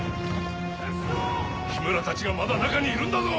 緋村たちがまだ中にいるんだぞ！